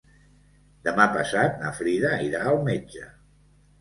Demà passat na Frida irà al metge.